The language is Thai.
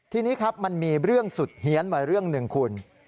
ทีนี้ครับมันมีเรื่องสุดเฮียนมาเรื่องหนึ่งคุณ